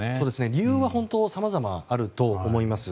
理由はさまざまあると思います。